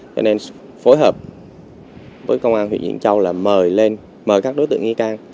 cho nên phối hợp với công an huyện diễn châu là mời lên mời các đối tượng nghi can